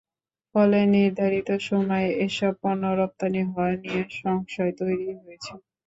ফলে নির্ধারিত সময়ে এসব পণ্য রপ্তানি হওয়া নিয়ে সংশয় তৈরি হয়েছে।